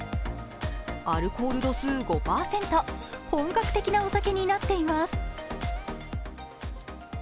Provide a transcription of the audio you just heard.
アルコール度数５％、本格的なお酒になっています。